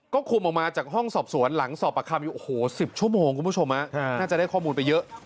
ก็คุมออกมาจากห้องสอบสวนหลังสอบประคำอยู่โอ้โห๑๐ชั่วโมงคุณผู้ชมน่าจะได้ข้อมูลไปเยอะ